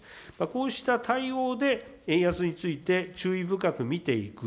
こうした対応で円安について注意深く見ていく。